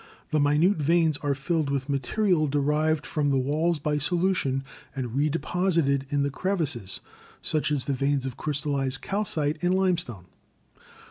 The minute veins are filled with material derived from the walls by solution and redeposited in the crevices, such as the veins of crys tallized calcite in limestone.